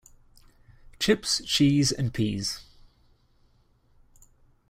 Chips, cheese and peas.